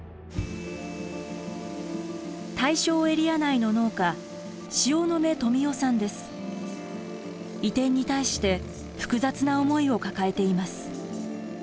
対象エリア内の移転に対して複雑な思いを抱えています。